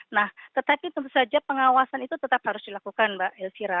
nah tetapi tentu saja pengawasan itu tetap harus dilakukan mbak elvira